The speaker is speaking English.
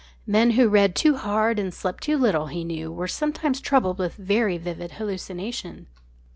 Men who read too hard, and slept too little, he knew were sometimes troubled with very vivid hallucinations.